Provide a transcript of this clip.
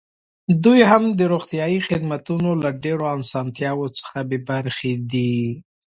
دوی هم د روغتیايي خدمتونو له ډېرو اسانتیاوو څخه بې برخې دي.